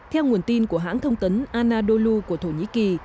theo nguồn tin của hãng thông tấn anadolu của thổ nhĩ kỳ